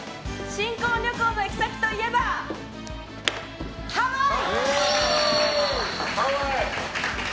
新婚旅行の行き先といえばハワイ！